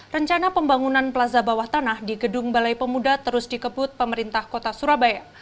rencana pembangunan plaza bawah tanah di gedung balai pemuda terus dikebut pemerintah kota surabaya